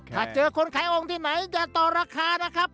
ถ้าเจอคนขายองค์ที่ไหนจะต่อราคานะครับ